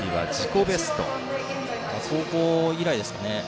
高校以来ですかね。